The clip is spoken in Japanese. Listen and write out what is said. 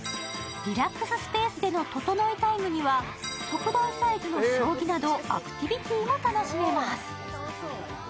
リラックススペースでのととのいタイムには、特大サイズの将棋などアクティビティも楽しめます。